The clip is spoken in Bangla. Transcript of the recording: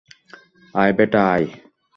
আয় বেটা, আয়।